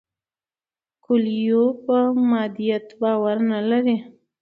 کویلیو په مادیت باور نه لري.